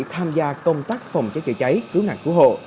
tham gia công tác phòng cháy chữa cháy